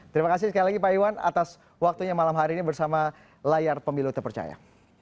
terima kasih sekali lagi pak iwan atas waktunya malam hari ini bersama layar pemilu terpercaya